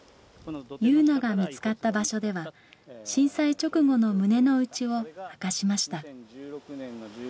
汐凪が見つかった場所では震災直後の胸のうちを明かしました。